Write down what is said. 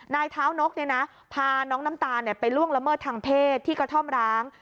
นายเท้านกพาน้องน้ำตาลไปล่วงละเมิดทางเพศที่กระท่อมร้าง